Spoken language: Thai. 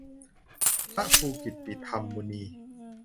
พระครูกิตติธรรมมุนี